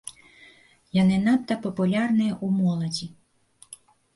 Яны надта папулярныя ў моладзі.